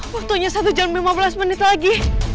waktunya satu jam lima belas menit lagi